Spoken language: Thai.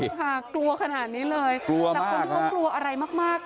ค่ะกลัวขนาดนี้เลยกลัวมากครับแต่คนที่ก็กลัวอะไรมากมาก